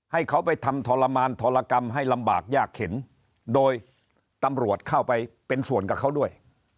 ให้เขาไปทำทรมานทรกรรมให้ลำบากยากเข็นโดยตำรวจเข้าไปเป็นส่วนกับเขาด้วย